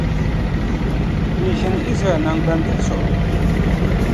n ʒini Izraɛl nam gbandi zuɣu.